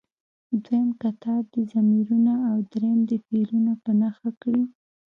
دویم کتار دې ضمیرونه او دریم دې فعلونه په نښه کړي.